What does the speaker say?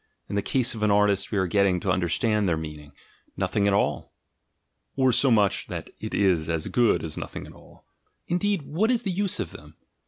In the case of an artist we are getting to understand their mean ing: Nothing at all ... or so much that it is as good as nothing at all. Indeed, what is the use of them?